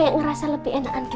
ngerasa lebih enakan